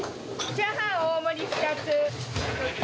チャーハン大盛り２つ。